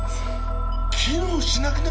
機能しなくなる！？